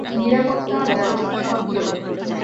নিরাপত্তা ব্যবস্থা সক্রিয়!